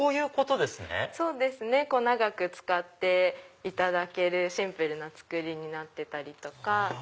長く使っていただけるシンプルな作りになってたりとか。